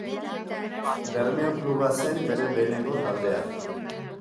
Bermeo Kluba zen bere lehenengo taldea.